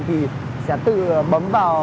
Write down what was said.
thì sẽ tự bấm vào